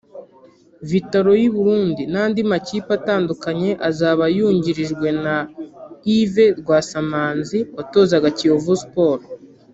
Vital’o y’i Burundi n’andi makipe atandukanye azaba yungirijwe na Yves Rwasamanzi watozaga Kiyovu Sport